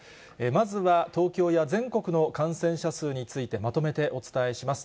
まずは、東京や全国の感染者数についてまとめてお伝えします。